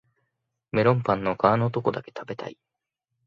メロンパンの皮のとこだけ食べたい